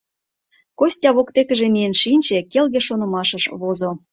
Костя воктекыже миен шинче, келге шонымашыш возо.